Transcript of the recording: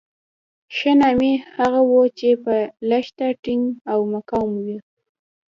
ښه نامي هغه وو چې په لښته ټینګ او مقاوم وو.